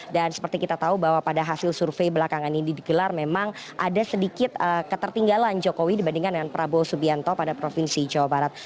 dan seperti kita tahu bahwa pada hasil survei belakangan ini digelar memang ada sedikit ketertinggalan jokowi dibandingkan dengan prabowo supianto pada provinsi jawa barat